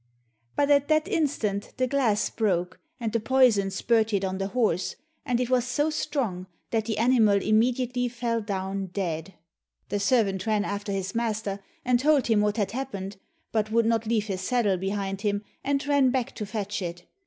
But at that instant the glass broke and the poison spirted on the horse, and it was so strong that the animal immediately fell down dead. The servant ran after his master and told him what had happened, but would not leave his saddle behind him, and ran back to fetch it.